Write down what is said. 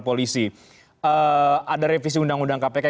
polisi ada revisi undang undang kpk